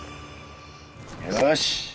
よし！